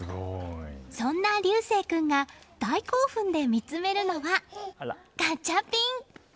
そんな琉世君が大興奮で見つめるのはガチャピン。